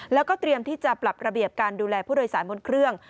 แล้วก็เตรียมที่จะปรับระเบียบการดูแลผู้โดยสารบนเครื่อง